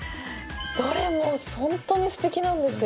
どれもホントにすてきなんですよね。